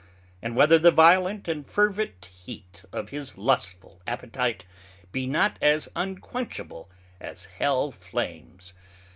and whether the violent and fervent heat of his lustfull appetite be not as unquenchable as Hell flames?